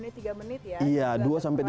sekitar dua tiga menit ya